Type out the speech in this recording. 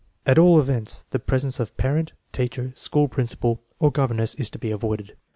At all events, the presence of parent, teacher, school principal, or governess is to be avoided.